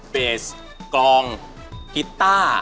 เพจกองกิตต้า